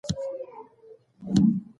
کار په پټي کې ډېره انرژي غواړي.